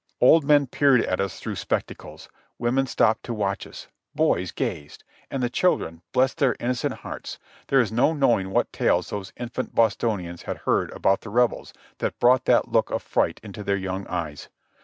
Old men peered at us through spectacles ; women stopped to watch us ; boys gazed ; and the children, bless their innocent hearts ! there is no knowing what tales those infant Bostonians had heard about the Rebels that brought that look of fright into their young eyes.